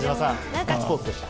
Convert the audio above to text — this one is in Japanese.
ガッツポーズでした。